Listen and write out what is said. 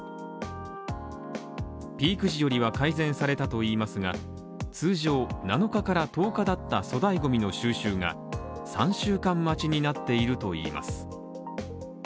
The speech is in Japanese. ピーク時よりは改善されたといいますが、通常７日から１０日だった粗大ゴミの収集が３週間待ちになっているといいます。